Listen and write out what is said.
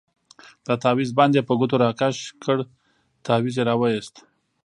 د تاويز بند يې په ګوتو راكښ كړ تاويز يې راوايست.